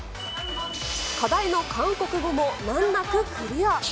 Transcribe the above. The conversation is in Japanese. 課題の韓国語も難なくクリア。